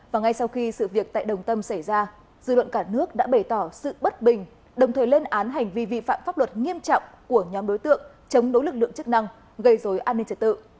và ngay sau khi sự việc tại đồng tâm xảy ra dư luận cả nước đã bày tỏ sự bất bình đồng thời lên án hành vi vi phạm pháp luật nghiêm trọng của nhóm đối tượng chống đối lực lượng chức năng gây dối an ninh trật tự